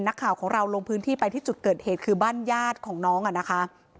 นักข่าวของเราลงพื้นที่ไปที่จุดเกิดเหตุคือบ้านญาติของน้องอ่ะนะคะ